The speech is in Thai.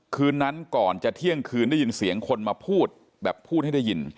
คืนนั้นก่อนจะเที่ยงคืนได้ยินเสียงคนมาพูดแบบพูดให้ได้ยิน